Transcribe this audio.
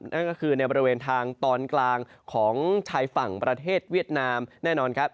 นั่นก็คือในบริเวณทางตอนกลางของชายฝั่งประเทศเวียดนามแน่นอนครับ